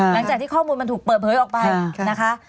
หลังจากที่ข้อมูลมันถูกเปิดเผยออกไปนะคะ